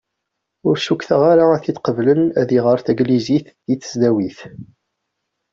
Ur cukkeɣ ara ad t-id-qeblen ad iɣer taglizit deg tesdawit.